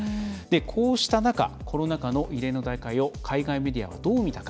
こうした中コロナ禍の異例の大会を海外メディアはどう見たか。